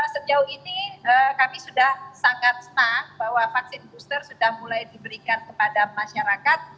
sejauh ini kami sudah sangat senang bahwa vaksin booster sudah mulai diberikan kepada masyarakat